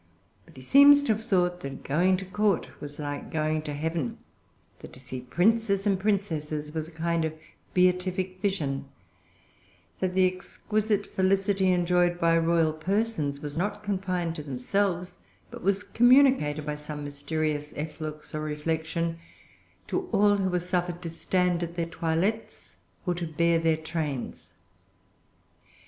But he seems to have thought that going to court was like going to heaven; that to see princes and princesses was a kind of beatific vision; that the exquisite felicity enjoyed by royal persons was not confined to themselves, but was communicated by some mysterious efflux or reflection to all who were suffered to stand at their toilettes, or to bear their trains.